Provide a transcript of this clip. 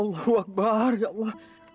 allahuakbar ya allah